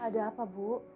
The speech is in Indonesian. ada apa bu